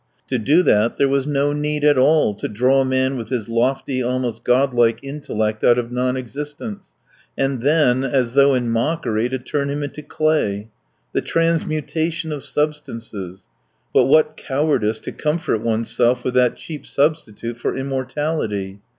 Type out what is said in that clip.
To do that there was no need at all to draw man with his lofty, almost godlike intellect out of non existence, and then, as though in mockery, to turn him into clay. The transmutation of substances! But what cowardice to comfort oneself with that cheap substitute for immortality!